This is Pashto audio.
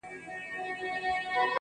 اوس مي د سپين قلم زهره چاودلې.